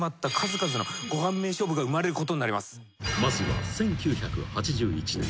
［まずは１９８１年］